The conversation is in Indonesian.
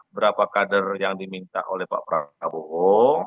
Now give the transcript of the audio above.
berapa kader yang diminta oleh pak prabowo